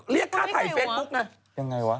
เรียกค่าถ่ายเฟซบุ๊กนะ